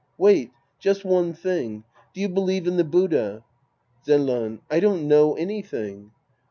Wait. Just one thing. Do you believe in the Buddha ? Zenran. I don't know anything.